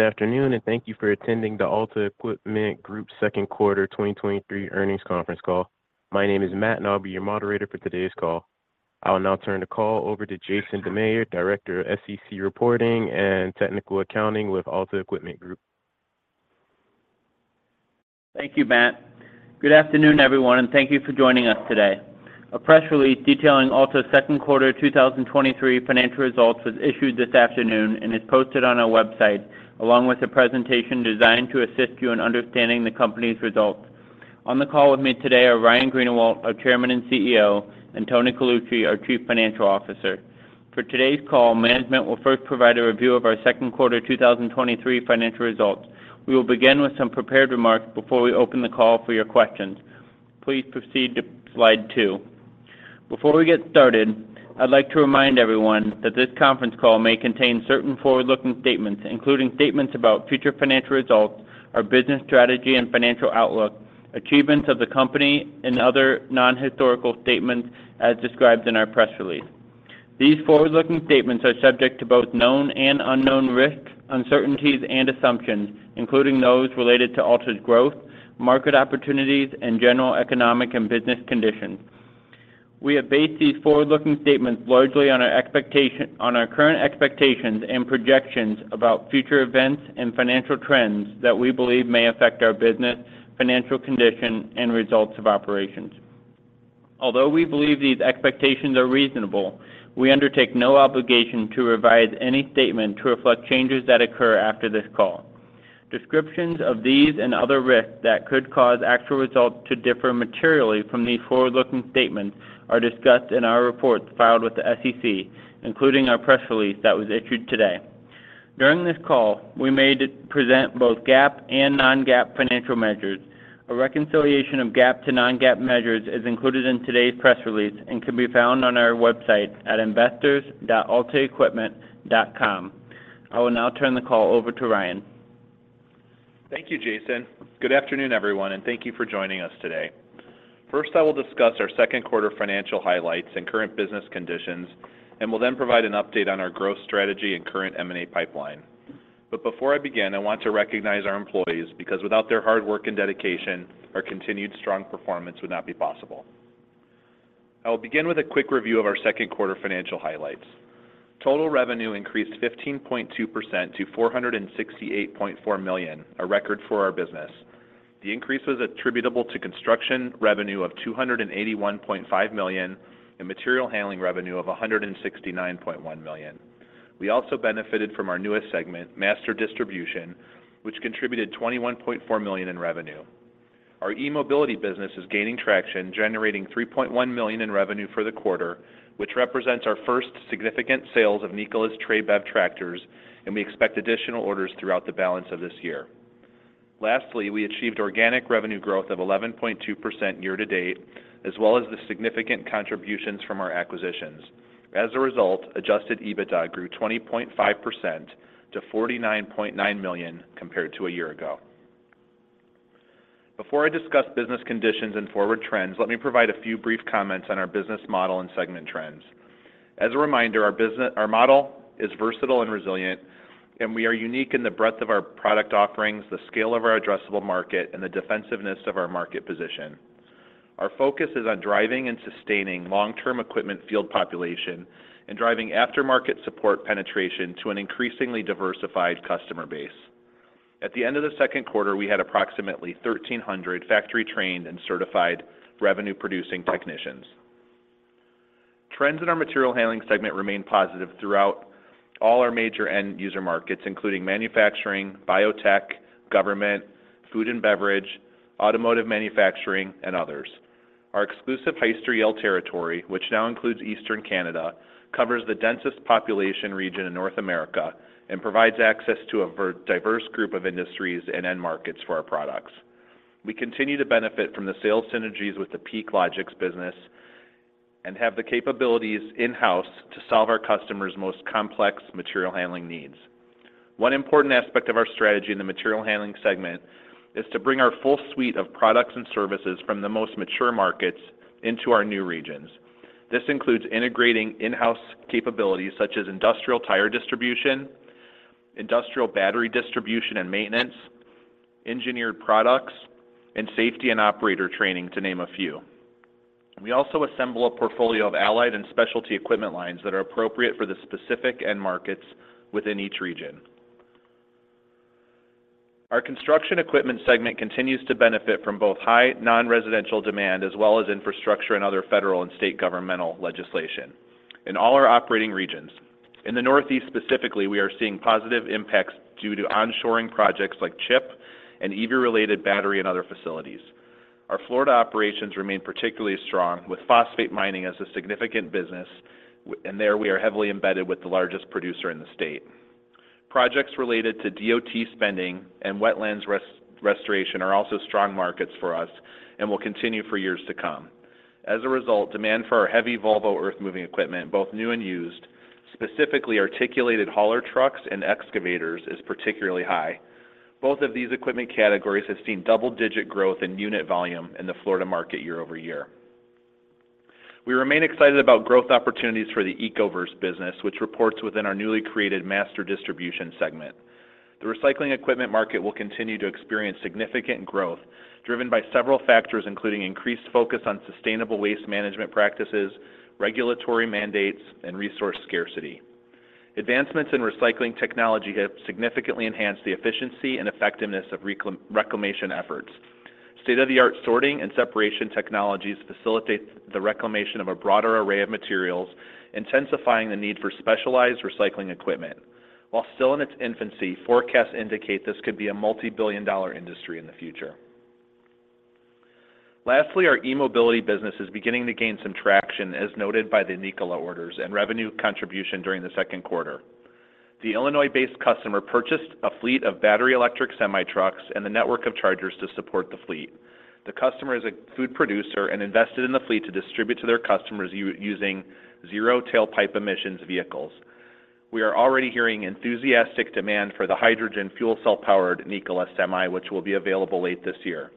Good afternoon. Thank you for attending the Alta Equipment Group second quarter 2023 earnings conference call. My name is Matt. I'll be your moderator for today's call. I will now turn the call over to Jason Dammeyer, Director of SEC Reporting and Technical Accounting with Alta Equipment Group. Thank you, Matt. Good afternoon, everyone, and thank you for joining us today. A press release detailing Alta's second quarter 2023 financial results was issued this afternoon and is posted on our website, along with a presentation designed to assist you in understanding the company's results. On the call with me today are Ryan Greenawalt, our Chairman and CEO, and Tony Colucci, our Chief Financial Officer. For today's call, management will first provide a review of our second quarter 2023 financial results. We will begin with some prepared remarks before we open the call for your questions. Please proceed to slide 2. Before we get started, I'd like to remind everyone that this conference call may contain certain forward-looking statements, including statements about future financial results, our business strategy and financial outlook, achievements of the company, and other non-historical statements as described in our press release. These forward-looking statements are subject to both known and unknown risks, uncertainties, and assumptions, including those related to Alta's growth, market opportunities, and general economic and business conditions. We have based these forward-looking statements largely on our current expectations and projections about future events and financial trends that we believe may affect our business, financial condition, and results of operations. Although we believe these expectations are reasonable, we undertake no obligation to revise any statement to reflect changes that occur after this call. Descriptions of these and other risks that could cause actual results to differ materially from these forward-looking statements are discussed in our reports filed with the SEC, including our press release that was issued today. During this call, we may present both GAAP and non-GAAP financial measures. A reconciliation of GAAP to non-GAAP measures is included in today's press release and can be found on our website at investors.altaequipment.com. I will now turn the call over to Ryan. Thank you, Jason. Good afternoon, everyone, thank you for joining us today. First, I will discuss our second quarter financial highlights and current business conditions, will then provide an update on our growth strategy and current M&A pipeline. Before I begin, I want to recognize our employees, because without their hard work and dedication, our continued strong performance would not be possible. I will begin with a quick review of our second quarter financial highlights. Total revenue increased 15.2% to $468.4 million, a record for our business. The increase was attributable to construction revenue of $281.5 million and material handling revenue of $169.1 million. We also benefited from our newest segment, Master Distribution, which contributed $21.4 million in revenue. Our eMobility business is gaining traction, generating $3.1 million in revenue for the quarter, which represents our first significant sales of Nikola's Tre BEV tractors. We expect additional orders throughout the balance of this year. Lastly, we achieved organic revenue growth of 11.2% year-to-date, as well as the significant contributions from our acquisitions. As a result, Adjusted EBITDA grew 20.5% to $49.9 million compared to a year ago. Before I discuss business conditions and forward trends, let me provide a few brief comments on our business model and segment trends. As a reminder, our model is versatile and resilient. We are unique in the breadth of our product offerings, the scale of our addressable market, and the defensiveness of our market position. Our focus is on driving and sustaining long-term equipment field population and driving aftermarket support penetration to an increasingly diversified customer base. At the end of the second quarter, we had approximately 1,300 factory-trained and certified revenue-producing technicians. Trends in our material handling segment remained positive throughout all our major end user markets, including manufacturing, biotech, government, food and beverage, automotive manufacturing, and others. Our exclusive Hyster-Yale territory, which now includes Eastern Canada, covers the densest population region in North America and provides access to a diverse group of industries and end markets for our products. We continue to benefit from the sales synergies with the PeakLogix business and have the capabilities in-house to solve our customers' most complex material handling needs. One important aspect of our strategy in the material handling segment is to bring our full suite of products and services from the most mature markets into our new regions. This includes integrating in-house capabilities such as industrial tire distribution, industrial battery distribution and maintenance, engineered products, and safety and operator training, to name a few. We also assemble a portfolio Allied products and specialty equipment lines that are appropriate for the specific end markets within each region. Our construction equipment segment continues to benefit from both high non-residential demand as well as infrastructure and other federal and state governmental legislation in all our operating regions. In the Northeast specifically, we are seeing positive impacts due to onshoring projects like CHIPS and EV-related battery and other facilities. Our Florida operations remain particularly strong, with phosphate mining as a significant business, and there we are heavily embedded with the largest producer in the state. Projects related to DOT spending and wetlands restoration are also strong markets for us and will continue for years to come. As a result, demand for our heavy Volvo earthmoving equipment, both new and used, specifically articulated hauler trucks and excavators, is particularly high. Both of these equipment categories have seen double-digit growth in unit volume in the Florida market year-over-year. We remain excited about growth opportunities for the Ecoverse business, which reports within our newly created Master Distribution segment. The recycling equipment market will continue to experience significant growth, driven by several factors, including increased focus on sustainable waste management practices, regulatory mandates, and resource scarcity. Advancements in recycling technology have significantly enhanced the efficiency and effectiveness of reclamation efforts. State-of-the-art sorting and separation technologies facilitate the reclamation of a broader array of materials, intensifying the need for specialized recycling equipment. While still in its infancy, forecasts indicate this could be a multi-billion dollar industry in the future. Lastly, our eMobility business is beginning to gain some traction, as noted by the Nikola orders and revenue contribution during the second quarter. The Illinois-based customer purchased a fleet of battery electric semi-trucks and a network of chargers to support the fleet. The customer is a food producer and invested in the fleet to distribute to their customers using zero tailpipe emissions vehicles. We are already hearing enthusiastic demand for the hydrogen fuel cell-powered Nikola semi, which will be available late this year.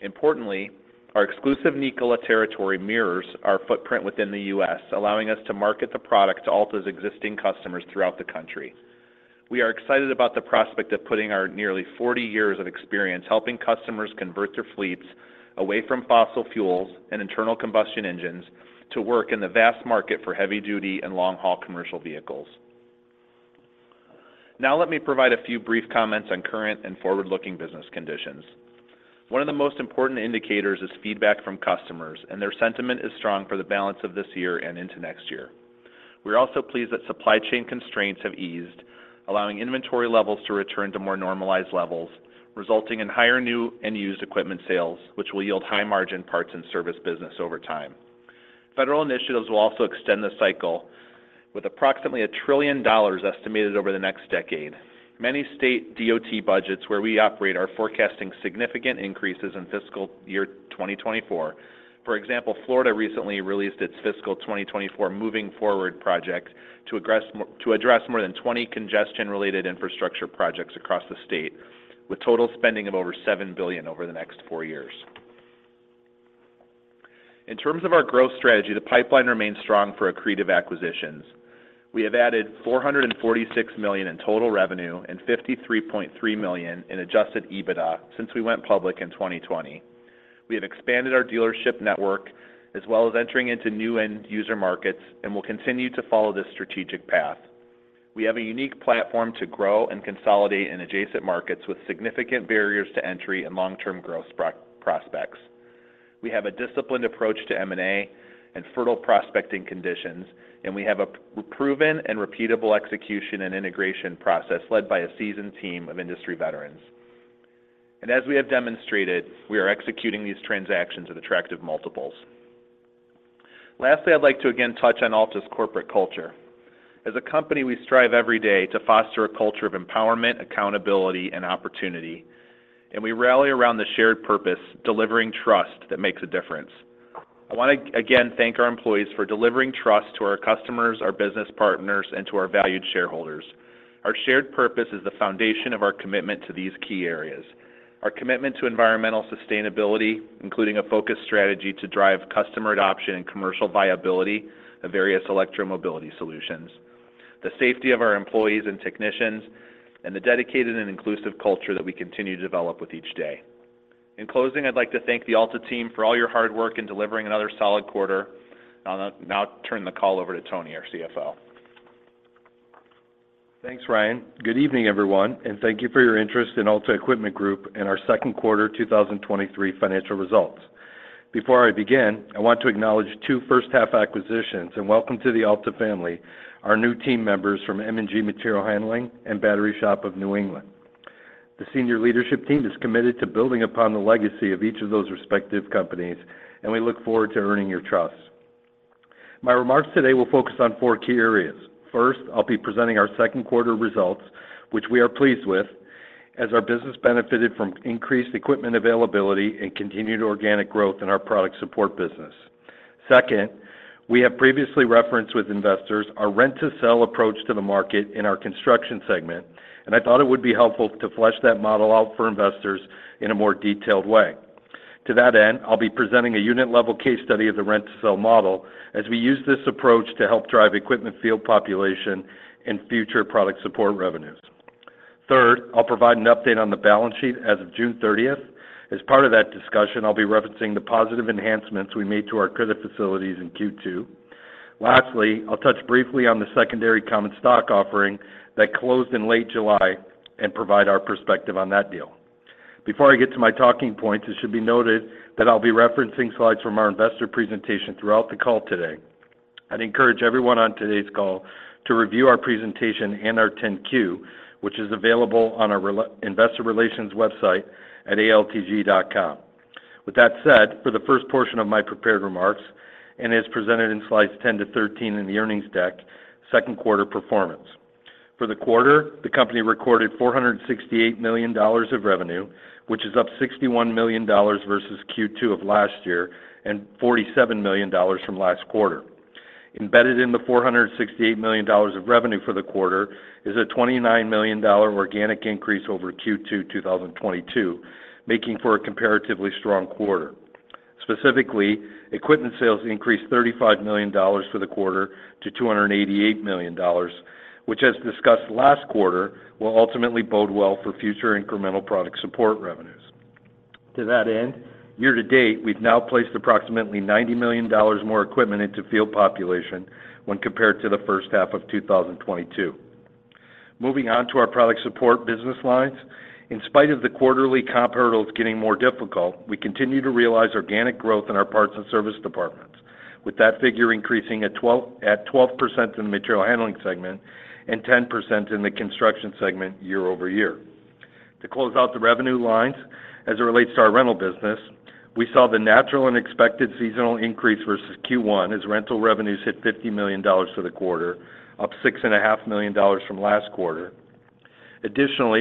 Importantly, our exclusive Nikola territory mirrors our footprint within the U.S., allowing us to market the product to Alta's existing customers throughout the country. We are excited about the prospect of putting our nearly 40 years of experience helping customers convert their fleets away from fossil fuels and internal combustion engines to work in the vast market for heavy-duty and long-haul commercial vehicles. Now let me provide a few brief comments on current and forward-looking business conditions. One of the most important indicators is feedback from customers, and their sentiment is strong for the balance of this year and into next year. We're also pleased that supply chain constraints have eased, allowing inventory levels to return to more normalized levels, resulting in higher new and used equipment sales, which will yield high margin parts and service business over time. Federal initiatives will also extend the cycle, with approximately $1 trillion estimated over the next decade. Many state DOT budgets where we operate are forecasting significant increases in fiscal year 2024. For example, Florida recently released its fiscal 2024 Moving Forward project to address more than 20 congestion-related infrastructure projects across the state, with total spending of over $7 billion over the next four years. In terms of our growth strategy, the pipeline remains strong for accretive acquisitions. We have added $446 million in total revenue and $53.3 million in Adjusted EBITDA since we went public in 2020. We have expanded our dealership network, as well as entering into new end user markets, will continue to follow this strategic path. We have a unique platform to grow and consolidate in adjacent markets with significant barriers to entry and long-term growth prospects. We have a disciplined approach to M&A and fertile prospecting conditions, and we have a proven and repeatable execution and integration process led by a seasoned team of industry veterans. As we have demonstrated, we are executing these transactions at attractive multiples. Lastly, I'd like to again touch on Alta's corporate culture. As a company, we strive every day to foster a culture of empowerment, accountability, and opportunity, and we rally around the shared purpose, delivering trust that makes a difference. I want to again thank our employees for delivering trust to our customers, our business partners, and to our valued shareholders. Our shared purpose is the foundation of our commitment to these key areas. Our commitment to environmental sustainability, including a focused strategy to drive customer adoption and commercial viability of various electromobility solutions, the safety of our employees and technicians, and the dedicated and inclusive culture that we continue to develop with each day. In closing, I'd like to thank the Alta team for all your hard work in delivering another solid quarter. I'll now turn the call over to Tony, our CFO. Thanks, Ryan. Good evening, everyone, and thank you for your interest in Alta Equipment Group and our second quarter 2023 financial results. Before I begin, I want to acknowledge two first half acquisitions, and welcome to the Alta family, our new team members from M&G Materials Handling and Battery Shop of New England. The senior leadership team is committed to building upon the legacy of each of those respective companies, and we look forward to earning your trust. My remarks today will focus on four key areas. First, I'll be presenting our second quarter results, which we are pleased with, as our business benefited from increased equipment availability and continued organic growth in our product support business. Second, we have previously referenced with investors our rent-to-sell approach to the market in our construction segment. I thought it would be helpful to flesh that model out for investors in a more detailed way. To that end, I'll be presenting a unit-level case study of the rent-to-sell model as we use this approach to help drive equipment field population and future product support revenues. Third, I'll provide an update on the balance sheet as of June 30th. As part of that discussion, I'll be referencing the positive enhancements we made to our credit facilities in Q2. Lastly, I'll touch briefly on the secondary common stock offering that closed in late July. I'll provide our perspective on that deal. Before I get to my talking points, it should be noted that I'll be referencing slides from our investor presentation throughout the call today. I'd encourage everyone on today's call to review our presentation and our 10-Q, which is available on our investor relations website at altg.com. With that said, for the first portion of my prepared remarks, and as presented in slides 10-13 in the earnings deck, second quarter performance. For the quarter, the company recorded $468 million of revenue, which is up $61 million versus Q2 of last year and $47 million from last quarter. Embedded in the $468 million of revenue for the quarter is a $29 million organic increase over Q2 2022, making for a comparatively strong quarter. Specifically, equipment sales increased $35 million for the quarter to $288 million, which, as discussed last quarter, will ultimately bode well for future incremental product support revenues. To that end, year-to-date, we've now placed approximately $90 million more equipment into field population when compared to the first half of 2022. Moving on to our product support business lines. In spite of the quarterly comp hurdles getting more difficult, we continue to realize organic growth in our parts and service departments, with that figure increasing at 12% in the material handling segment and 10% in the construction segment year-over-year. To close out the revenue lines, as it relates to our rental business, we saw the natural and expected seasonal increase versus Q1, as rental revenues hit $50 million for the quarter, up $6.5 million from last quarter.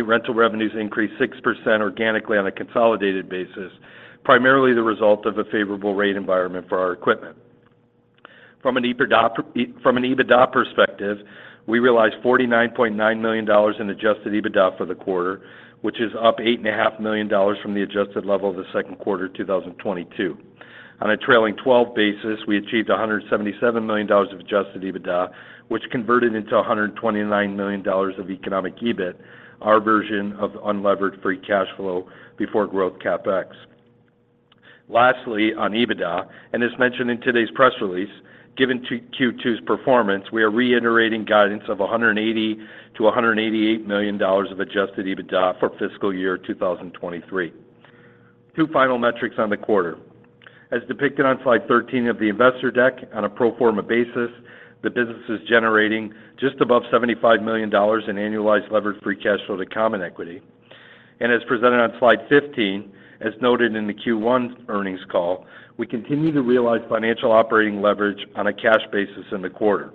Rental revenues increased 6% organically on a consolidated basis, primarily the result of a favorable rate environment for our equipment. From an EBITDA perspective, we realized $49.9 million in Adjusted EBITDA for the quarter, which is up $8.5 million from the adjusted level of the second quarter 2022. On a trailing 12 basis, we achieved $177 million of Adjusted EBITDA, which converted into $129 million of economic EBIT, our version of unlevered free cash flow before growth CapEx. Lastly, on EBITDA, as mentioned in today's press release, given to Q2's performance, we are reiterating guidance of $180 million-$188 million of Adjusted EBITDA for fiscal year 2023. Two final metrics on the quarter. As depicted on slide 13 of the investor deck, on a pro forma basis, the business is generating just above $75 million in annualized levered free cash flow to common equity. As presented on slide 15, as noted in the Q1 earnings call, we continue to realize financial operating leverage on a cash basis in the quarter.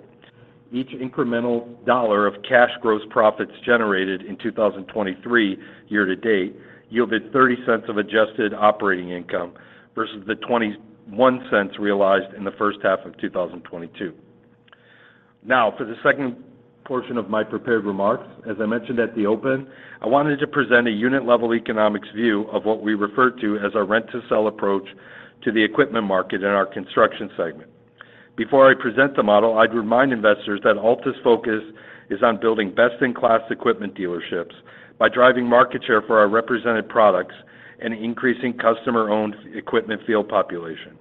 Each incremental dollar of cash gross profits generated in 2023 year-to-date yielded $0.30 of adjusted operating income versus the $0.21 realized in the first half of 2022. Now, for the second portion of my prepared remarks, as I mentioned at the open, I wanted to present a unit-level economics view of what we refer to as our rent-to-sell approach to the equipment market in our construction segment. Before I present the model, I'd remind investors that Alta's focus is on building best-in-class equipment dealerships by driving market share for our represented products and increasing customer-owned equipment field population.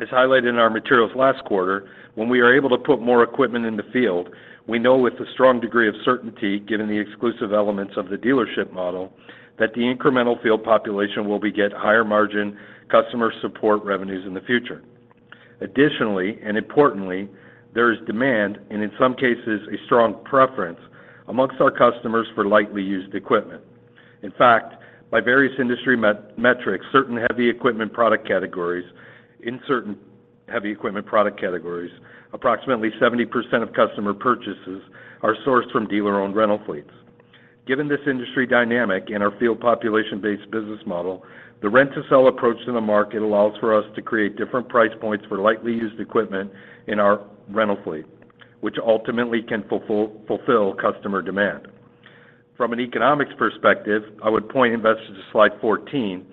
As highlighted in our materials last quarter, when we are able to put more equipment in the field, we know with a strong degree of certainty, given the exclusive elements of the dealership model, that the incremental field population will beget higher margin customer support revenues in the future. Additionally, and importantly, there is demand, and in some cases, a strong preference amongst our customers for lightly used equipment. In fact, by various industry metrics, certain heavy equipment product categories- in certain heavy equipment product categories, approximately 70% of customer purchases are sourced from dealer-owned rental fleets. Given this industry dynamic and our field population-based business model, the rent-to-sell approach to the market allows for us to create different price points for lightly used equipment in our rental fleet, which ultimately can fulfill customer demand. From an economics perspective, I would point investors to slide 14.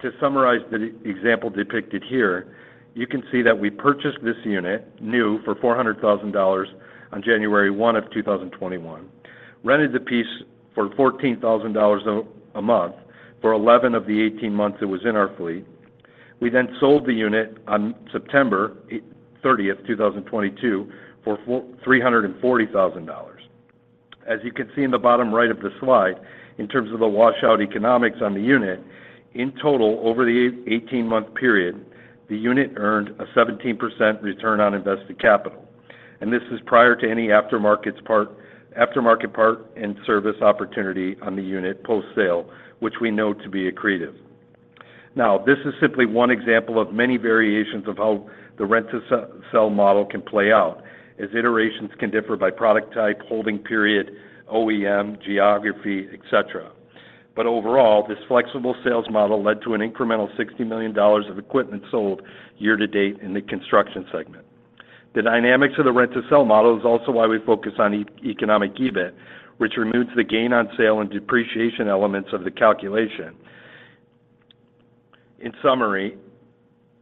To summarize the example depicted here, you can see that we purchased this unit new for $400,000 on January 1, 2021, rented the piece for $14,000 a month for 11 of the 18 months it was in our fleet. We sold the unit on September 30, 2022, for $340,000. As you can see in the bottom right of the slide, in terms of the washout economics on the unit, in total, over the 18-month period, the unit earned a 17% return on invested capital. This is prior to any aftermarket part and service opportunity on the unit post-sale, which we know to be accretive. This is simply one example of many variations of how the rent-to-sell model can play out, as iterations can differ by product type, holding period, OEM, geography, et cetera. Overall, this flexible sales model led to an incremental $60 million of equipment sold year-to-date in the construction segment. The dynamics of the rent-to-sell model is also why we focus on economic EBIT, which removes the gain on sale and depreciation elements of the calculation. In summary,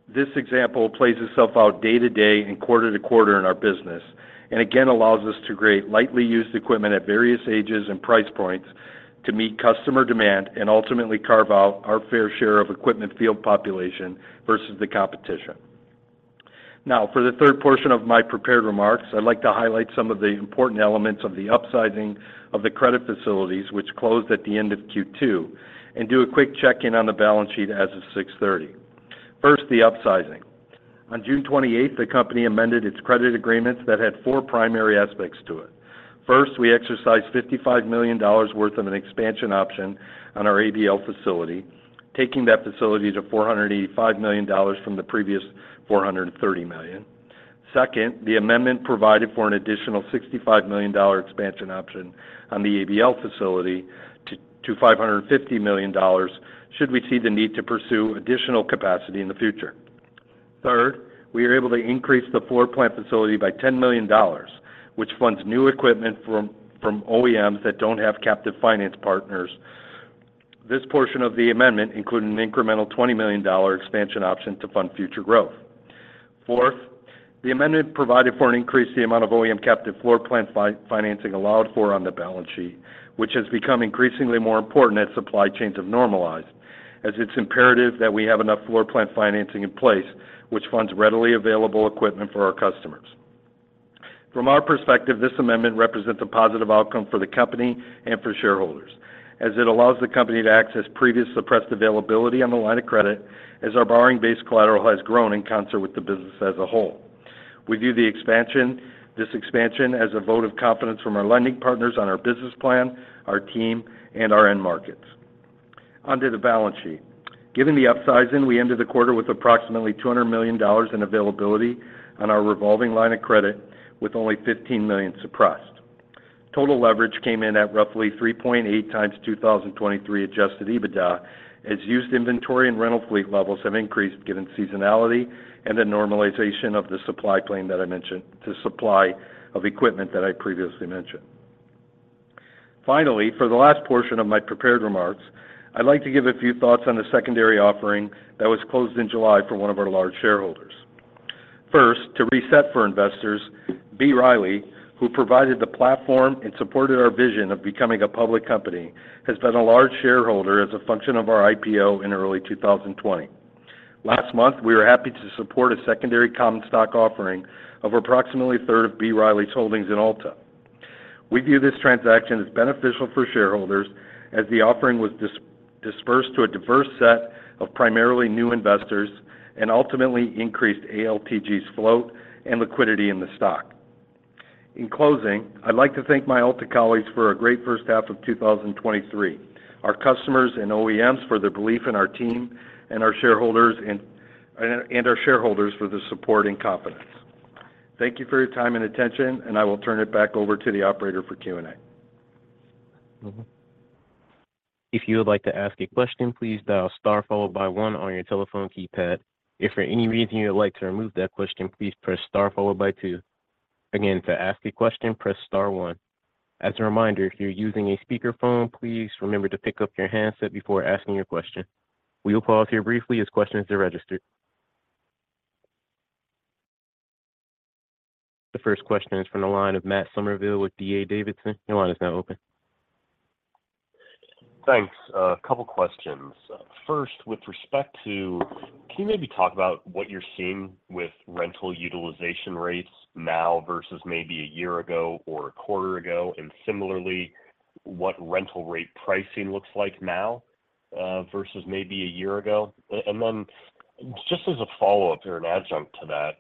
this example plays itself out day to day and quarter to quarter in our business, again, allows us to create lightly used equipment at various ages and price points to meet customer demand and ultimately carve out our fair share of equipment field population versus the competition. For the third portion of my prepared remarks, I'd like to highlight some of the important elements of the upsizing of the credit facilities, which closed at the end of Q2, and do a quick check-in on the balance sheet as of June 30. First, the upsizing. On June 28th, the company amended its credit agreements that had four primary aspects to it. First, we exercised $55 million worth of an expansion option on our ABL facility, taking that facility to $485 million from the previous $430 million. Second, the amendment provided for an additional $65 million expansion option on the ABL facility to $550 million. Should we see the need to pursue additional capacity in the future. Third, we are able to increase the floor plan facility by $10 million, which funds new equipment from OEMs that don't have captive finance partners. This portion of the amendment included an incremental $20 million expansion option to fund future growth. Fourth, the amendment provided for an increase the amount of OEM captive floor plan financing allowed for on the balance sheet, which has become increasingly more important as supply chains have normalized, as it's imperative that we have enough floor plan financing in place, which funds readily available equipment for our customers. From our perspective, this amendment represents a positive outcome for the company and for shareholders, as it allows the company to access previous suppressed availability on the line of credit, as our borrowing base collateral has grown in concert with the business as a whole. We view this expansion as a vote of confidence from our lending partners on our business plan, our team, and our end markets. Onto the balance sheet. Given the upsizing, we ended the quarter with approximately $200 million in availability on our revolving line of credit, with only $15 million suppressed. Total leverage came in at roughly 3.8x 2023 Adjusted EBITDA, as used inventory and rental fleet levels have increased given seasonality and the normalization of the supply of equipment that I previously mentioned. Finally, for the last portion of my prepared remarks, I'd like to give a few thoughts on the secondary offering that was closed in July for one of our large shareholders. First, to reset for investors, B. Riley, who provided the platform and supported our vision of becoming a public company, has been a large shareholder as a function of our IPO in early 2020. Last month, we were happy to support a secondary common stock offering of approximately a third of B. Riley's holdings in Alta. We view this transaction as beneficial for shareholders, as the offering was dispersed to a diverse set of primarily new investors and ultimately increased ALTG's float and liquidity in the stock. In closing, I'd like to thank my Alta colleagues for a great first half of 2023, our customers and OEMs for their belief in our team, and our shareholders for their support and confidence. Thank you for your time and attention, I will turn it back over to the operator for Q&A. If you would like to ask a question, please dial star followed by one on your telephone keypad. If for any reason you would like to remove that question, please press star followed by two. Again, to ask a question, press star one. As a reminder, if you're using a speakerphone, please remember to pick up your handset before asking your question. We will pause here briefly as questions are registered. The first question is from the line of Matt Summerville with D.A. Davidson. Your line is now open. Thanks. A couple questions. First, with respect to-- Can you maybe talk about what you're seeing with rental utilization rates now versus maybe a year ago or a quarter ago? Similarly, what rental rate pricing looks like now, versus maybe a year ago? Then just as a follow-up or an adjunct to that,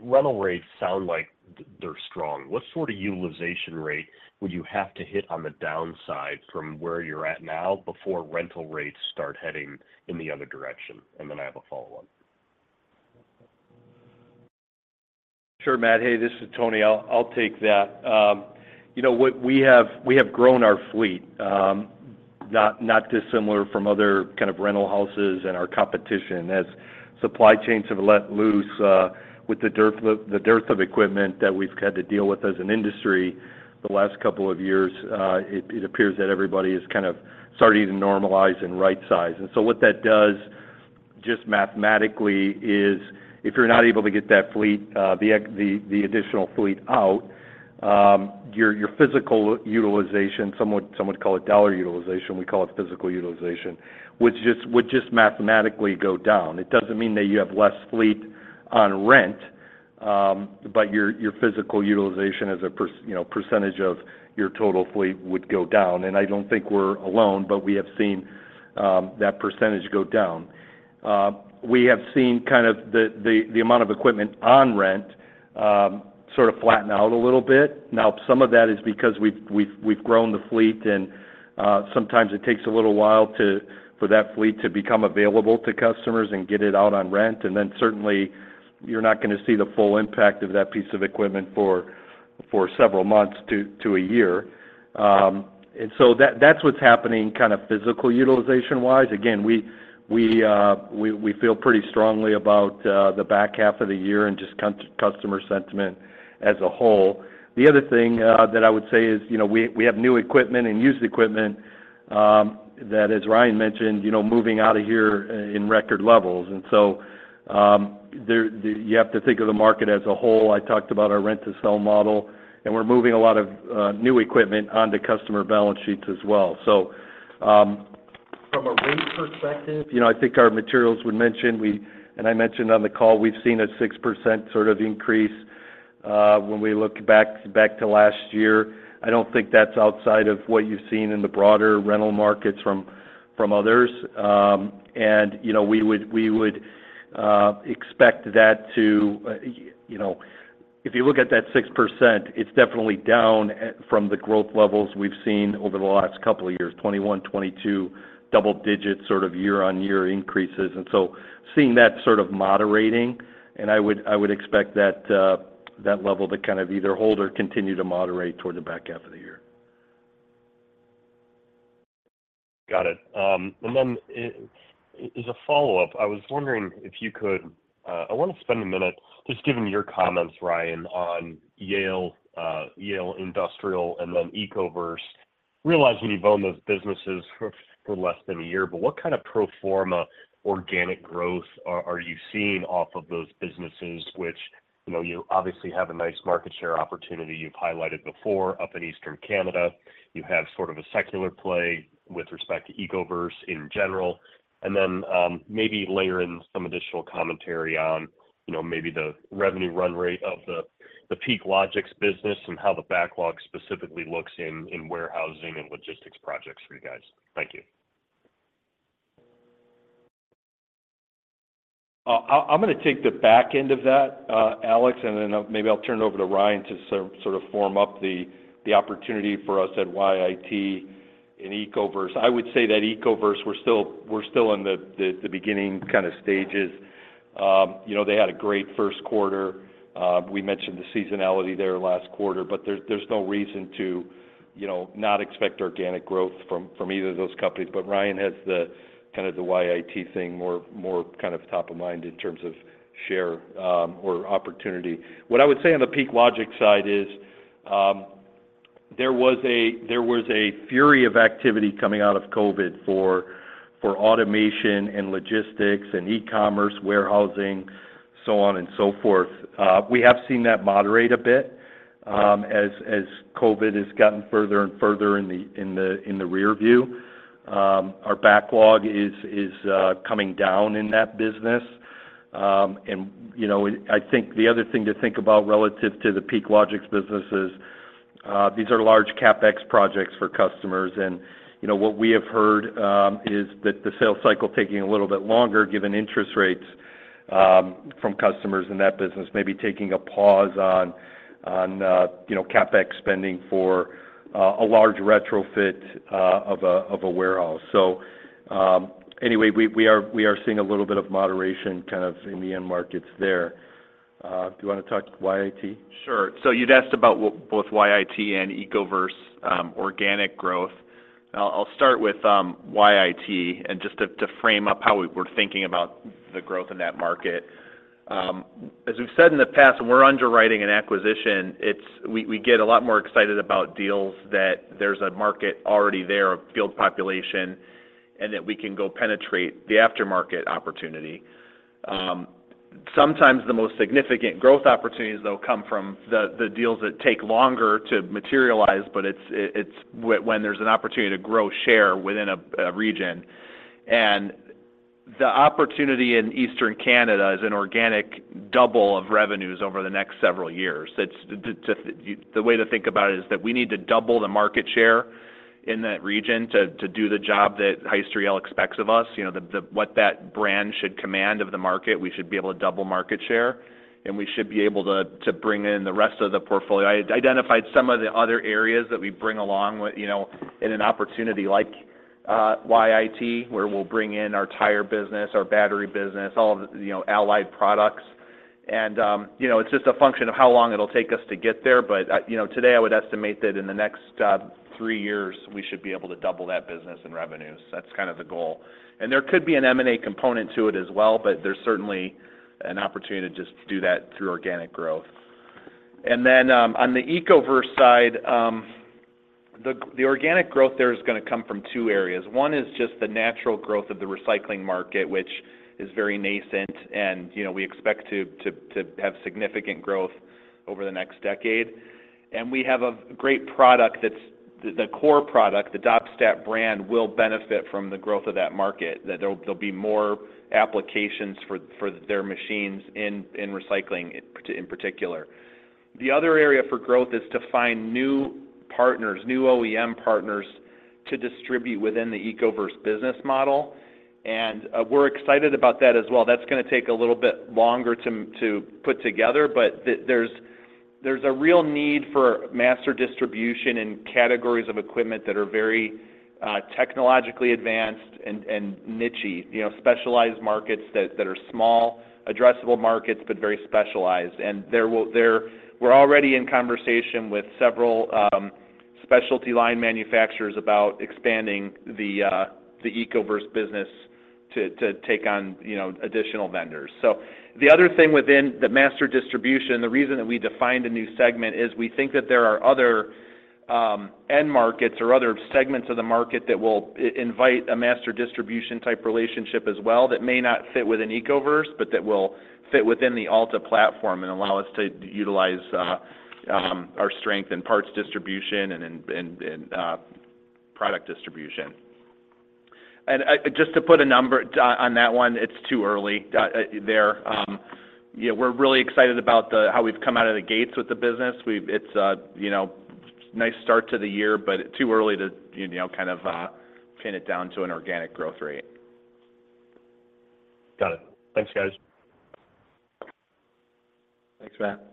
rental rates sound like they're strong. What sort of utilization rate would you have to hit on the downside from where you're at now before rental rates start heading in the other direction? Then I have a follow-up. Sure, Matt. Hey, this is Tony. I'll, I'll take that. You know what? We have, we have grown our fleet, not, not dissimilar from other kind of rental houses and our competition. As supply chains have let loose, with the dearth, the dearth of equipment that we've had to deal with as an industry the last couple of years, it, it appears that everybody is kind of starting to normalize and right-size. So what that does, just mathematically, is if you're not able to get that fleet, the additional fleet out, your, your physical utilization, some would, some would call it dollar utilization, we call it physical utilization, would just, would just mathematically go down. It doesn't mean that you have less fleet on rent, but your, your physical utilization as a you know, percentage of your total fleet would go down. I don't think we're alone, but we have seen that percentage go down. We have seen kind of the amount of equipment on rent, sort of flatten out a little bit. Some of that is because we've grown the fleet, and sometimes it takes a little while for that fleet to become available to customers and get it out on rent. Then certainly, you're not gonna see the full impact of that piece of equipment for several months to a year. So that, that's what's happening kind of physical utilization-wise. Again, we, we, we, we feel pretty strongly about the back half of the year and just customer sentiment as a whole. The other thing that I would say is, you know, we, we have new equipment and used equipment that, as Ryan mentioned, you know, moving out of here in record levels. You have to think of the market as a whole. I talked about our rent-to-sell model, and we're moving a lot of new equipment onto customer balance sheets as well. From a rate perspective, you know, I think our materials would mention, we and I mentioned on the call, we've seen a 6% sort of increase when we look back, back to last year. I don't think that's outside of what you've seen in the broader rental markets from, from others. You know, we would, we would expect that to, you know. If you look at that 6%, it's definitely down from the growth levels we've seen over the last couple of years, 2021, 2022, double digits, sort of year-on-year increases. Seeing that sort of moderating, and I would, I would expect that, that level to kind of either hold or continue to moderate toward the back half of the year. Got it. Then, as a follow-up, I was wondering if you could... I wanna spend a minute just given your comments, Ryan, on Yale Industrial, and then Ecoverse. Realizing you've owned those businesses for less than a year, what kind of pro forma organic growth are you seeing off of those businesses, which, you know, you obviously have a nice market share opportunity you've highlighted before up in Eastern Canada? You have sort of a secular play with respect to Ecoverse in general, and then maybe layer in some additional commentary on, you know, maybe the revenue run rate of the PeakLogix business and how the backlog specifically looks in warehousing and logistics projects for you guys. Thank you. I, I'm gonna take the back end of that, Alex, and then maybe I'll turn it over to Ryan to sort, sort of form up the, the opportunity for us at YIT and Ecoverse. I would say that Ecoverse, we're still, we're still in the, the, the beginning kind of stages. You know, they had a great first quarter. We mentioned the seasonality there last quarter, there's, there's no reason to, you know, not expect organic growth from, from either of those companies. Ryan has the kind of the YIT thing more, more kind of top of mind in terms of share, or opportunity. What I would say on the PeakLogix side is, there was a, there was a fury of activity coming out of COVID for, for automation and logistics and e-commerce, warehousing, so on and so forth. We have seen that moderate a bit as COVID has gotten further and further in the, in the, in the rearview. Our backlog is, is coming down in that business. You know, I think the other thing to think about relative to the PeakLogix business is these are large CapEx projects for customers. You know, what we have heard is that the sales cycle taking a little bit longer, given interest rates, from customers in that business, maybe taking a pause on, on, you know, CapEx spending for a large retrofit of a warehouse. Anyway, we, we are, we are seeing a little bit of moderation kind of in the end markets there. Do you wanna talk YIT? Sure. You'd asked about both YIT and Ecoverse, organic growth. I'll, I'll start with YIT, and just to frame up how we're thinking about the growth in that market. As we've said in the past, when we're underwriting an acquisition, it's we, we get a lot more excited about deals that there's a market already there, a field population, and that we can go penetrate the aftermarket opportunity. Sometimes the most significant growth opportunities, though, come from the deals that take longer to materialize, but it's when there's an opportunity to grow share within a region. The opportunity in Eastern Canada is an organic double of revenues over the next several years. It's just... The way to think about it is that we need to double the market share in that region to, to do the job that Hyster-Yale expects of us. You know, what that brand should command of the market, we should be able to double market share, we should be able to, to bring in the rest of the portfolio. I identified some of the other areas that we bring along with, you know, in an opportunity like YIT, where we'll bring in our tire business, our battery business, all of the, you know, Allied products. You know, it's just a function of how long it'll take us to get there. You know, today, I would estimate that in the next three years, we should be able to double that business and revenues. That's kind of the goal. There could be an M&A component to it as well, but there's certainly an opportunity to just do that through organic growth. On the Ecoverse side, the organic growth there is gonna come from two areas. One is just the natural growth of the recycling market, which is very nascent, and, you know, we expect to have significant growth over the next decade. We have a great product that's. The core product, the Doppstadt brand, will benefit from the growth of that market, that there'll be more applications for their machines in recycling, in particular. The other area for growth is to find new partners, new OEM partners, to distribute within the Ecoverse business model, and we're excited about that as well. That's gonna take a little bit longer to, to put together, but there's, there's a real need for Master Distribution in categories of equipment that are very technologically advanced and, and nichey, you know, specialized markets that, that are small, addressable markets, but very specialized. We're already in conversation with several specialty line manufacturers about expanding the Ecoverse business to, to take on, you know, additional vendors. The other thing within the Master Distribution, the reason that we defined a new segment, is we think that there are other end markets or other segments of the market that will invite a Master Distribution type relationship as well, that may not fit with an Ecoverse, but that will fit within the Alta platform and allow us to utilize our strength in parts distribution and in, and, and product distribution. Just to put a number on that one, it's too early there. You know, we're really excited about the how we've come out of the gates with the business. It's a, you know, nice start to the year, but too early to, you know, kind of pin it down to an organic growth rate. Got it. Thanks, guys. Thanks, Matt.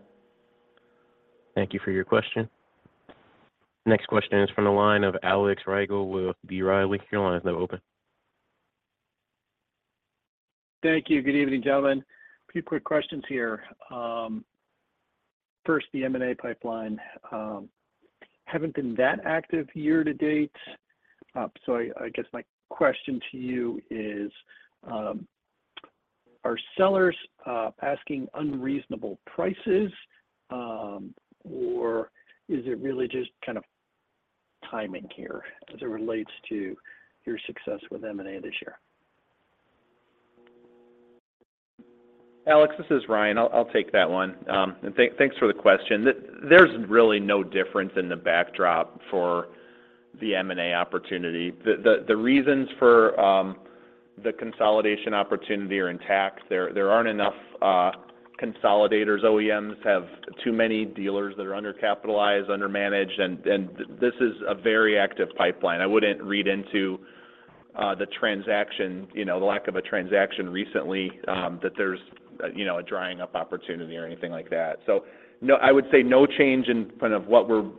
Thank you for your question. Next question is from the line of Alex Rygiel with B. Riley. Your line is now open. Thank you. Good evening, gentlemen. A few quick questions here. First, the M&A pipeline, haven't been that active year-to-date. I, I guess my question to you is, are sellers asking unreasonable prices, or is it really just kind of timing here as it relates to your success with M&A this year? Alex, this is Ryan. I'll, I'll take that one. Thank, thanks for the question. There's really no difference in the backdrop for the M&A opportunity. The, the, the reasons for the consolidation opportunity are intact. There, there aren't enough consolidators. OEMs have too many dealers that are undercapitalized, under-managed, and, and this is a very active pipeline. I wouldn't read into the transaction, you know, the lack of a transaction recently, that there's, you know, a drying up opportunity or anything like that. No, I would say no change in kind of what we're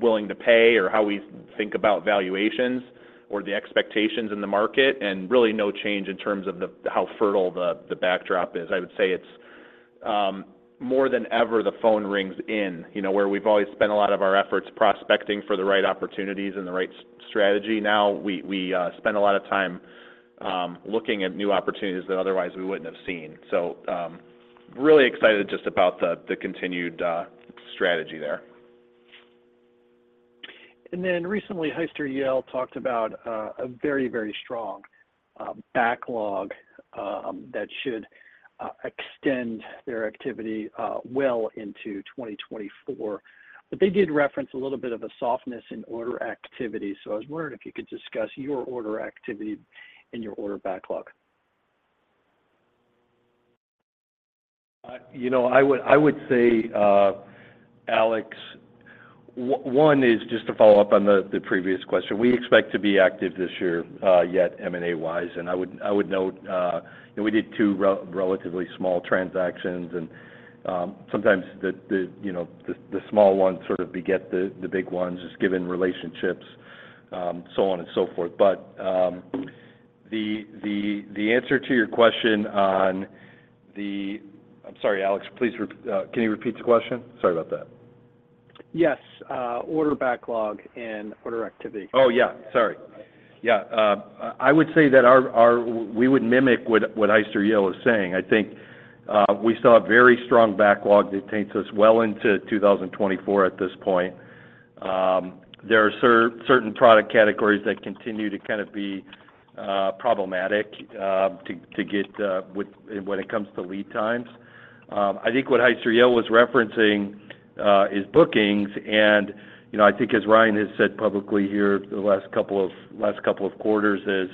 willing to pay, or how we think about valuations, or the expectations in the market, and really no change in terms of how fertile the, the backdrop is. I would say it's, more than ever, the phone rings in. You know, where we've always spent a lot of our efforts prospecting for the right opportunities and the right strategy, now we, we spend a lot of time looking at new opportunities that otherwise we wouldn't have seen. Really excited just about the continued strategy there. Recently, Hyster-Yale talked about a very, very strong backlog that should extend their activity well into 2024. They did reference a little bit of a softness in order activity, so I was wondering if you could discuss your order activity and your order backlog. You know, I would, I would say, Alex, one is just to follow up on the previous question. We expect to be active this year, yet M&A wise, and I would, I would note, you know, we did two relatively small transactions, and sometimes the, the, you know, the, the small ones sort of beget the, the big ones, just given relationships, so on and so forth. The, the, the answer to your question. I'm sorry, Alex, please can you repeat the question? Sorry about that. Yes. Order backlog and order activity. Oh, yeah. Sorry. Yeah. I would say that our... We would mimic what Hyster-Yale is saying. I think, we saw a very strong backlog that takes us well into 2024 at this point. There are certain product categories that continue to kind of be problematic to get when it comes to lead times. I think what Hyster-Yale was referencing is bookings. You know, I think as Ryan has said publicly here the last couple of, last couple of quarters, is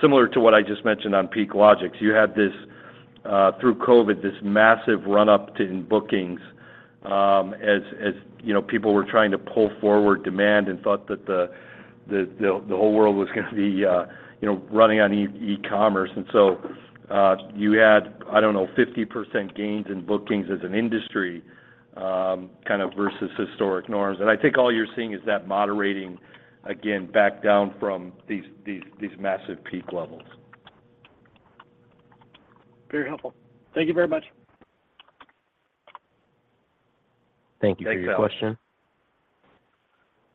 similar to what I just mentioned on Peak Logix. You had this, through COVID, this massive run-up to in bookings, as, you know, people were trying to pull forward demand and thought that the, the, the, the whole world was gonna be, you know, running on e-commerce. So, you had, I don't know, 50% gains in bookings as an industry, kind of versus historic norms. I think all you're seeing is that moderating again back down from these massive peak levels. Very helpful. Thank you very much. Thank you for your question. Thanks, Alex.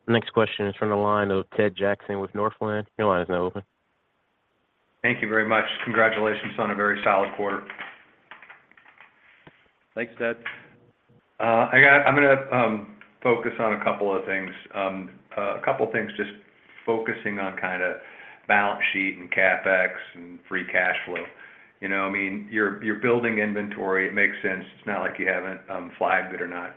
Next question is from the line of Ted Jackson with Northland. Your line is now open. Thank you very much. Congratulations on a very solid quarter. Thanks, Ted. I got-- I'm gonna focus on a couple of things. A couple of things just focusing on kind of balance sheet, and CapEx, and free cash flow. You know, I mean, you're, you're building inventory. It makes sense. It's not like you haven't flagged it or not.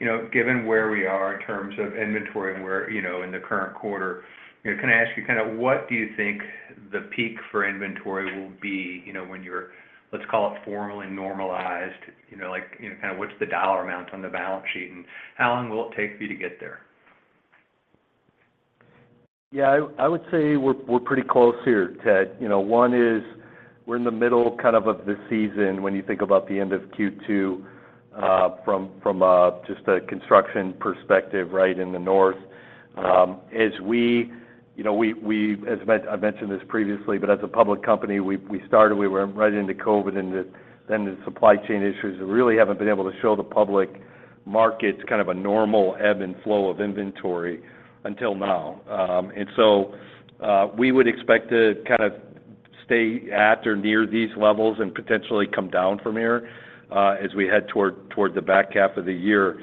You know, given where we are in terms of inventory and where, you know, in the current quarter, you know, can I ask you kind of, what do you think the peak for inventory will be, you know, when you're, let's call it formally normalized? You know, like, you know, kind of what's the dollar amount on the balance sheet, and how long will it take you to get there? Yeah, I, I would say we're, we're pretty close here, Ted. You know, one is, we're in the middle kind of the season when you think about the end of Q2, from, from, just a construction perspective, right, in the north. As we... You know, we, as I've mentioned this previously, but as a public company, we, we started, we were right into COVID, and then the supply chain issues, we really haven't been able to show the public markets kind of a normal ebb and flow of inventory until now. So, we would expect to kind of stay at or near these levels and potentially come down from here, as we head toward, toward the back half of the year.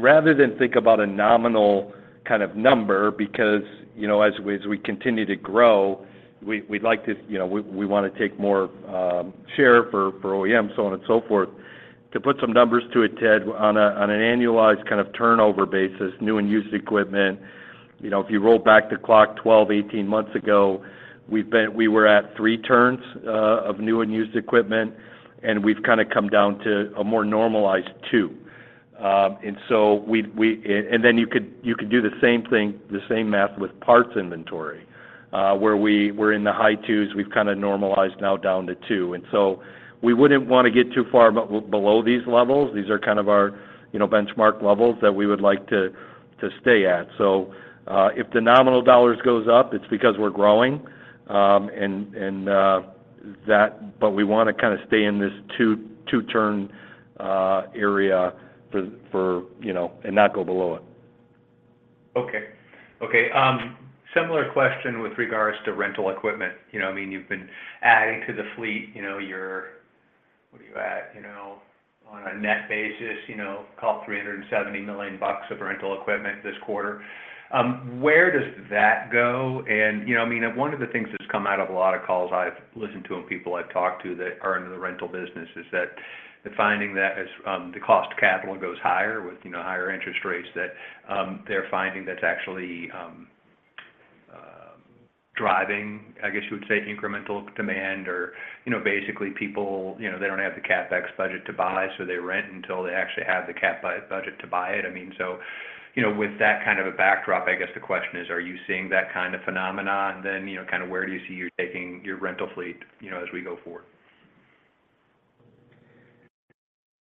Rather than think about a nominal kind of number, because, you know, as we, as we continue to grow, we, we'd like to, you know, we, we wanna take more share for OEMs, so on and so forth. To put some numbers to it, Ted, on an annualized kind of turnover basis, new and used equipment, you know, if you roll back the clock 12, 18 months ago, we were at three turns of new and used equipment, and we've kind of come down to a more normalized two. Then you could do the same thing, the same math with parts inventory, where we were in the high twos, we've kind of normalized now down to two. We wouldn't want to get too far below these levels. These are kind of our, you know, benchmark levels that we would like to, to stay at. If the nominal dollars goes up, it's because we're growing. That, but we wanna kind of stay in this two, two turn, area for, for, you know, and not go below it. Okay. Okay, similar question with regards to rental equipment. You know, I mean, you've been adding to the fleet, you know, your-- what are you at? You know, on a net basis, you know, call it $370 million of rental equipment this quarter. Where does that go? You know, I mean, one of the things that's come out of a lot of calls I've listened to and people I've talked to that are in the rental business, is that the finding that as, the cost of capital goes higher with, you know, higher interest rates, that, they're finding that's actually, driving, I guess, you would say, incremental demand or... You know, basically, people, you know, they don't have the CapEx budget to buy, so they rent until they actually have the CapEx budget to buy it. I mean, you know, with that kind of a backdrop, I guess the question is: Are you seeing that kind of phenomenon? You know, kind of where do you see you taking your rental fleet, you know, as we go forward?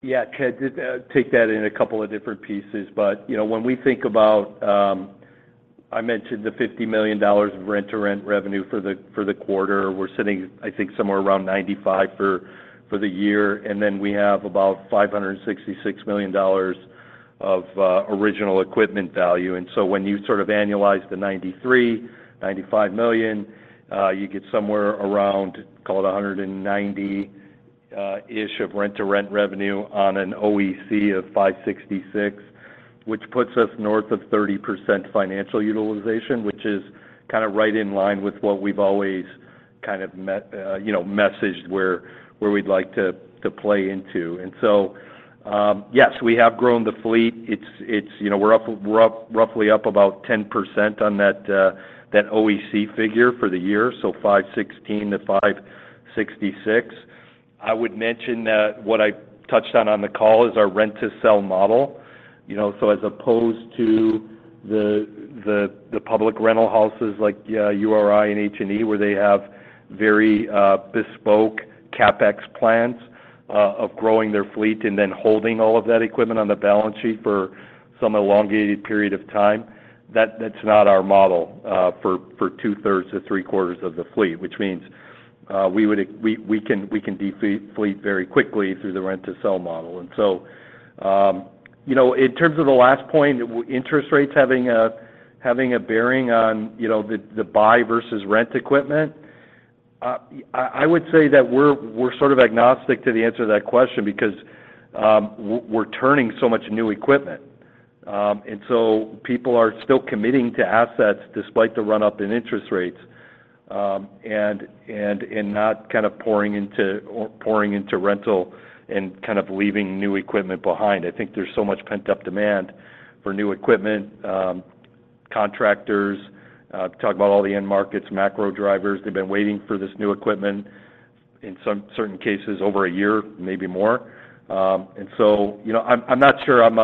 Yeah, Ted, just take that in a couple of different pieces. You know, when we think about, I mentioned the $50 million of rent-to-rent revenue for the quarter. We're sitting, I think, somewhere around $95 million for the year, and then we have about $566 million of original equipment value. So when you sort of annualize the $93 million-$95 million, you get somewhere around, call it $190 million ish of rent-to-rent revenue on an OEC of $566 million, which puts us north of 30% financial utilization, which is kind of right in line with what we've always kind of, you know, messaged, where, where we'd like to, to play into. Yes, we have grown the fleet. It's, you know, we're up, we're up, roughly up about 10% on that OEC figure for the year, so $516 million-$566 million. I would mention that what I touched on on the call is our rent-to-sell model, you know. As opposed to the, the, the public rental houses like URI and H&E, where they have very bespoke CapEx plans of growing their fleet and then holding all of that equipment on the balance sheet for some elongated period of time, that's not our model for 2/3 to three quarters of the fleet, which means we can, we can de-fleet very quickly through the rent-to-sell model. So, you know, in terms of the last point, interest rates having a, having a bearing on, you know, the, the buy versus rent equipment, I, I would say that we're, we're sort of agnostic to the answer to that question, because we're turning so much new equipment. So people are still committing to assets despite the run-up in interest rates, and, and, and not kind of pouring into, or pouring into rental and kind of leaving new equipment behind. I think there's so much pent-up demand for new equipment. Contractors, talk about all the end markets, macro drivers, they've been waiting for this new equipment, in some certain cases, over one year, maybe more. you know, I'm, I'm not sure I'm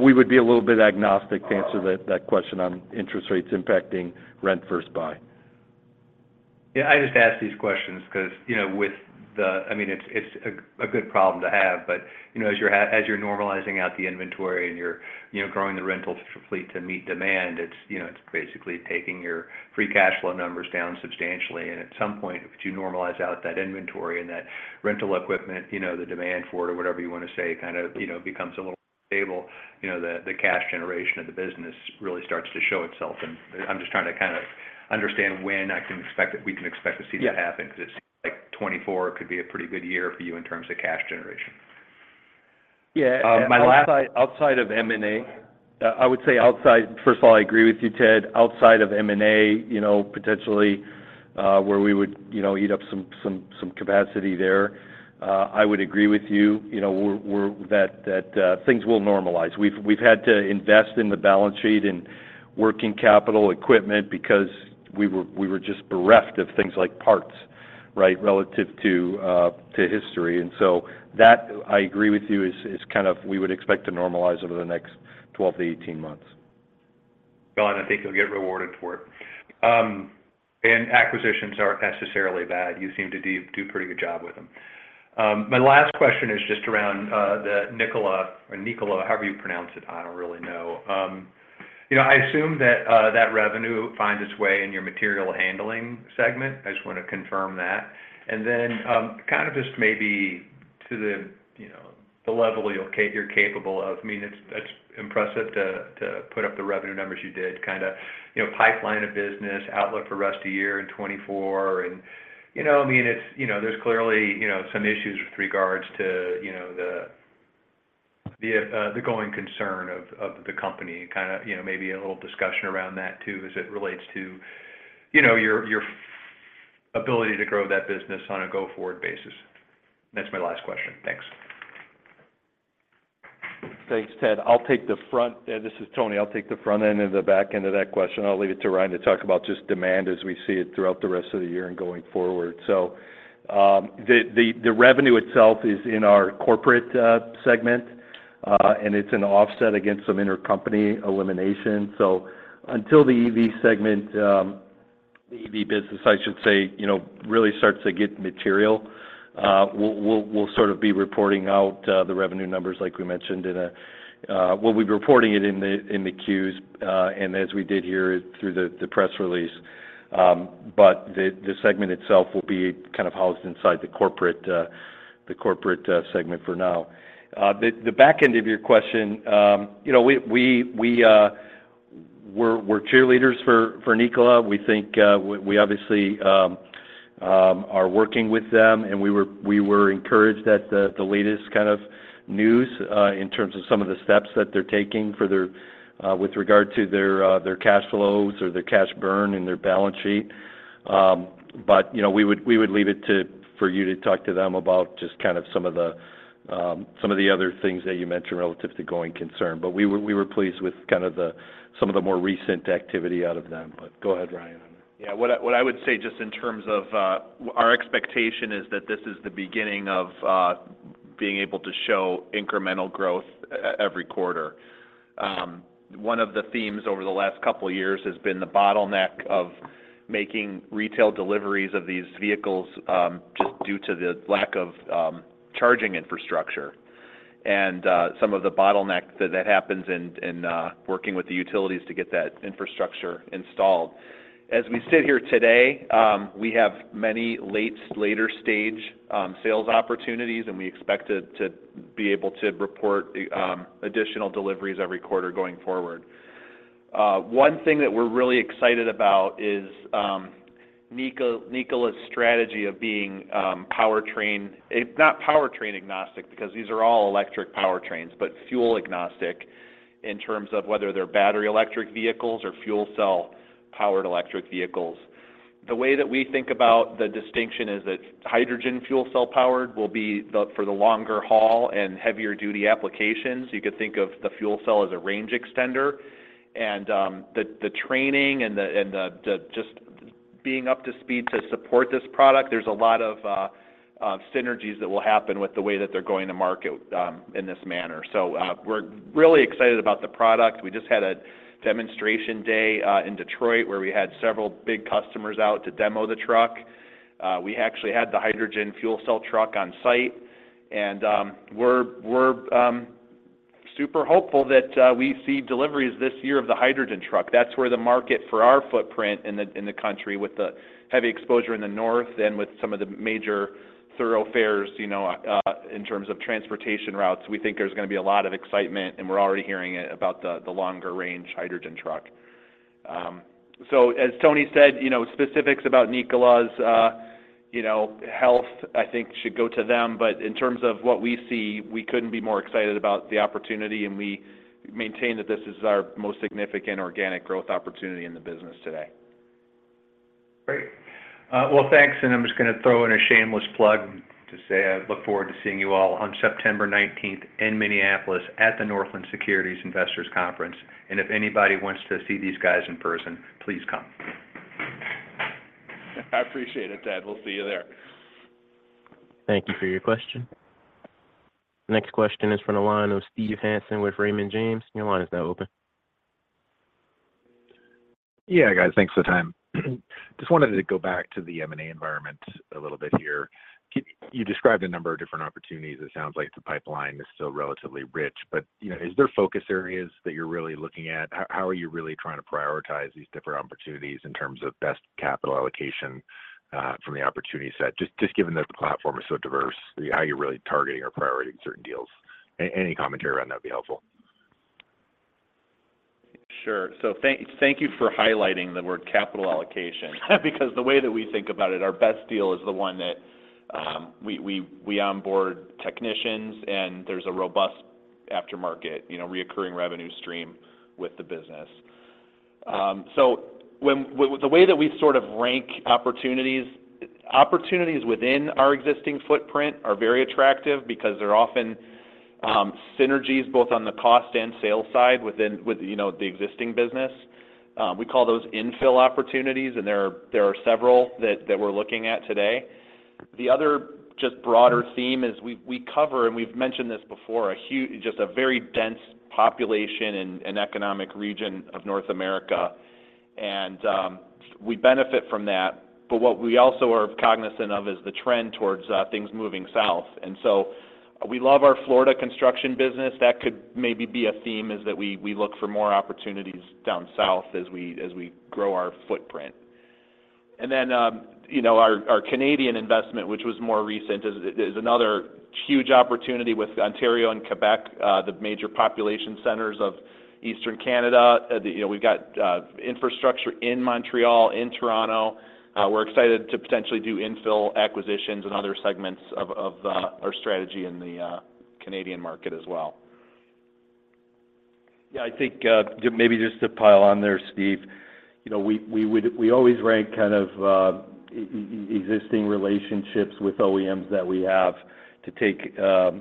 we would be a little bit agnostic to answer that, that question on interest rates impacting rent first buy. Yeah, I just ask these questions because, you know, with the, I mean, it's, it's a, a good problem to have, but, you know, as you're normalizing out the inventory and you're, you know, growing the rental fleet to meet demand, it's, you know, it's basically taking your free cash flow numbers down substantially. At some point, if you normalize out that inventory and that rental equipment, you know, the demand for it or whatever you want to say, kind of, you know, becomes a little stable, you know, the, the cash generation of the business really starts to show itself. I'm just trying to kind of understand when I can expect we can expect to see that happen. Yeah. It seems like 2024 could be a pretty good year for you in terms of cash generation. Yeah. Um, my last- Outside, outside of M&A, I would say outside... First of all, I agree with you, Ted. Outside of M&A, you know, potentially, where we would, you know, eat up some, some, some capacity there, I would agree with you. You know, we're that, that things will normalize. We've had to invest in the balance sheet and working capital equipment because we were just bereft of things like parts, right? Relative to history. So that, I agree with you, is, is kind of we would expect to normalize over the next 12 months-18 months. Well, I think you'll get rewarded for it. Acquisitions aren't necessarily bad. You seem to do, do a pretty good job with them. My last question is just around the Nikola, however you pronounce it, I don't really know. You know, I assume that revenue finds its way in your material handling segment. I just want to confirm that. Then, kind of just maybe to the, you know, the level you're capable of. I mean, it's, that's impressive to, to put up the revenue numbers you did, kind of, you know, pipeline of business, outlook for rest of year in 2024. You know, I mean, it's, you know, there's clearly, you know, some issues with regards to, you know, the, the, the going concern of, of the company. Kind of, you know, maybe a little discussion around that too, as it relates to, you know, your, your ability to grow that business on a go-forward basis. That's my last question. Thanks. Thanks, Ted. I'll take the front... This is Tony. I'll take the front end and the back end of that question, and I'll leave it to Ryan to talk about just demand as we see it throughout the rest of the year and going forward. The, the, the revenue itself is in our corporate segment, and it's an offset against some intercompany elimination. Until the EV segment, the EV business, I should say, you know, really starts to get material, we'll, we'll, we'll sort of be reporting out the revenue numbers like we mentioned well, we've reporting it in the, in the 10-Qs, and as we did here through the, the press release. The, the segment itself will be kind of housed inside the corporate, the corporate segment for now. The, the back end of your question, you know, we, we, we, we're, we're cheerleaders for, for Nikola. We think-- we, we obviously, are working with them, and we were, we were encouraged at the, the latest kind of news, in terms of some of the steps that they're taking for their... with regard to their, their cash flows or their cash burn and their balance sheet. You know, we would, we would leave it to-- for you to talk to them about just kind of some of the, some of the other things that you mentioned relative to going concern. We were, we were pleased with kind of the some of the more recent activity out of them. Go ahead, Ryan. Yeah. What I, what I would say just in terms of our expectation is that this is the beginning of being able to show incremental growth every quarter. One of the themes over the last couple of years has been the bottleneck of making retail deliveries of these vehicles, just due to the lack of charging infrastructure and some of the bottlenecks that, that happens in working with the utilities to get that infrastructure installed. As we sit here today, we have many later stage sales opportunities, and we expect to be able to report additional deliveries every quarter going forward. One thing that we're really excited about is Nikola's strategy of being powertrain... Not powertrain agnostic, because these are all electric powertrains, but fuel agnostic in terms of whether they're battery electric vehicles or fuel cell-powered electric vehicles. The way that we think about the distinction is that hydrogen fuel cell-powered will be the, for the longer haul and heavier duty applications. You could think of the fuel cell as a range extender. The, the training and the, and the, the just being up to speed to support this product, there's a lot of synergies that will happen with the way that they're going to market in this manner. We're really excited about the product. We just had a demonstration day in Detroit, where we had several big customers out to demo the truck. We actually had the hydrogen fuel cell truck on site, and we're, we're, super hopeful that, we see deliveries this year of the hydrogen truck. That's where the market for our footprint in the, in the country, with the heavy exposure in the north and with some of the major thoroughfares, you know, in terms of transportation routes, we think there's gonna be a lot of excitement, and we're already hearing it about the, the longer range hydrogen truck. So as Tony said, you know, specifics about Nikola's, you know, health, I think should go to them. In terms of what we see, we couldn't be more excited about the opportunity, and we maintain that this is our most significant organic growth opportunity in the business today. Great. Well, thanks, and I'm just gonna throw in a shameless plug to say, I look forward to seeing you all on September 19th in Minneapolis at the Northland Securities Investors Conference. If anybody wants to see these guys in person, please come. I appreciate it, Ted. We'll see you there. Thank you for your question. Next question is from the line of Steven Hansen with Raymond James. Your line is now open. Yeah, guys. Thanks for the time. Just wanted to go back to the M&A environment a little bit here. You described a number of different opportunities. It sounds like the pipeline is still relatively rich, but, you know, is there focus areas that you're really looking at? How, how are you really trying to prioritize these different opportunities in terms of best capital allocation from the opportunity set? Just, just given that the platform is so diverse, how are you really targeting or prioritizing certain deals? Any commentary around that would be helpful. Sure. Thank, thank you for highlighting the word capital allocation, because the way that we think about it, our best deal is the one that we, we, we onboard technicians, and there's a robust aftermarket, you know, recurring revenue stream with the business. The way that we sort of rank opportunities, opportunities within our existing footprint are very attractive because they're often synergies, both on the cost and sales side, within, with, you know, the existing business. We call those infill opportunities, and there are, there are several that, that we're looking at today. The other just broader theme is we, we cover, and we've mentioned this before, a huge just a very dense population and, and economic region of North America, and we benefit from that. What we also are cognizant of is the trend towards things moving south. We love our Florida construction business. That could maybe be a theme, is that we, we look for more opportunities down south as we, as we grow our footprint. You know, our, our Canadian investment, which was more recent, is, is another huge opportunity with Ontario and Quebec, the major population centers of Eastern Canada. You know, we've got infrastructure in Montreal, in Toronto. We're excited to potentially do infill acquisitions and other segments of, of our strategy in the Canadian market as well. Yeah, I think, maybe just to pile on there, Steven, you know, we, we always rank kind of existing relationships with OEMs that we have to take,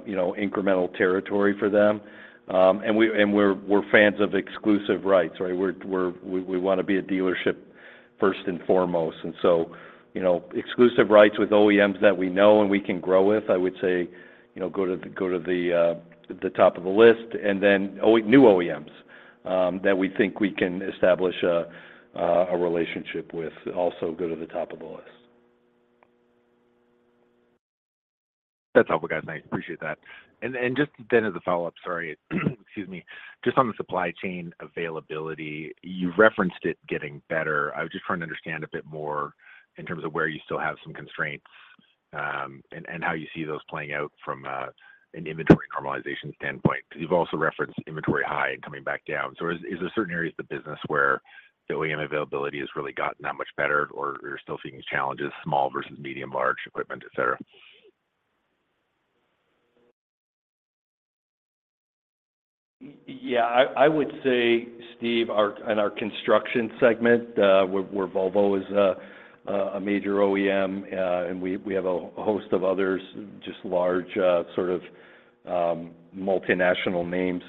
you know, incremental territory for them. We're, we're fans of exclusive rights, right? We want to be a dealership first and foremost. You know, exclusive rights with OEMs that we know and we can grow with, I would say, you know, go to, go to the top of the list, and then new OEMs that we think we can establish a relationship with also go to the top of the list. That's helpful, guys. I appreciate that. Just then as a follow-up, sorry, excuse me. Just on the supply chain availability, you referenced it getting better. I was just trying to understand a bit more in terms of where you still have some constraints, and how you see those playing out from an inventory normalization standpoint. Because you've also referenced inventory high and coming back down. Is there certain areas of the business where OEM availability has really gotten that much better, or you're still seeing challenges, small versus medium, large equipment, et cetera? Yeah, I, I would say, Steve, in our construction segment, where Volvo is a, a, a major OEM, and we, we have a, a host of others, just large, sort of, multinational names,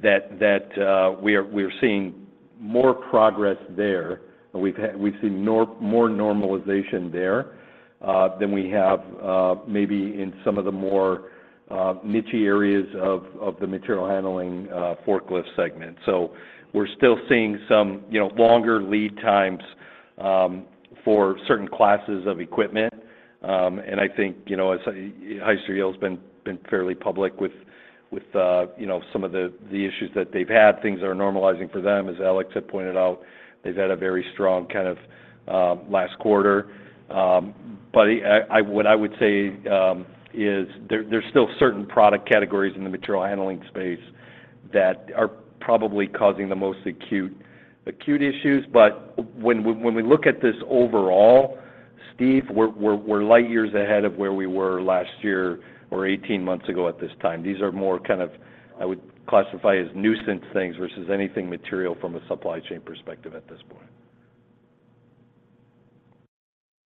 that, that, we are, we're seeing more progress there. We've seen more normalization there, than we have, maybe in some of the more, niche-y areas of, of the material handling, forklift segment. So we're still seeing some, you know, longer lead times, for certain classes of equipment. And I think, you know, as Hyster-Yale's been, been fairly public with, with, you know, some of the, the issues that they've had, things are normalizing for them. As Alex had pointed out, they've had a very strong kind of last quarter. I, I, what I would say is there, there's still certain product categories in the material handling space that are probably causing the most acute, acute issues. When we, when we look at this overall, Steve, we're, we're, we're light years ahead of where we were last year or 18 months ago at this time. These are more kind of, I would classify as nuisance things versus anything material from a supply chain perspective at this point.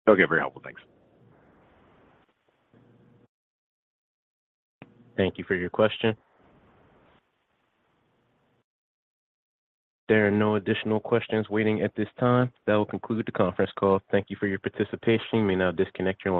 Okay, very helpful. Thanks. Thank you for your question. There are no additional questions waiting at this time. That will conclude the conference call. Thank you for your participation. You may now disconnect your line.